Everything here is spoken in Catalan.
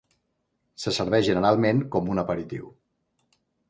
Se serveix generalment com un aperitiu.